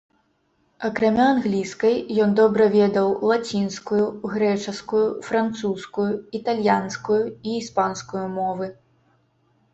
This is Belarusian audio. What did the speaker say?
Акрамя англійскай, ён добра ведаў лацінскую, грэчаскую, французскую, італьянскую і іспанскую мовы.